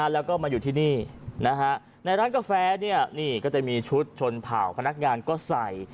แล้วก็มาอยู่ที่นี่ในร้านกาแฟนี่ก็จะมีชุดชนเผ่าพนักงานก็ใส่